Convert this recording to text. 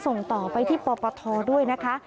ส่งต่อไปที่ปปทด้วยนะคะ